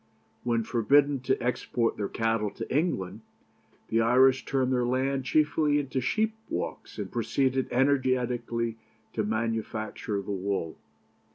When forbidden to export their cattle to England, the Irish turned their land chiefly into sheep walks, and proceeded energetically to manufacture the wool.